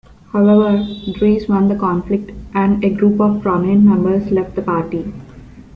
However, Drees won the conflict, and a group of prominent members left the party.